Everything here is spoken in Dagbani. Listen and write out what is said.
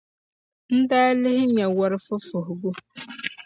n daa lihi, n nya wɔr' fufuhigu.